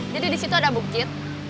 jadi di situ ada bukit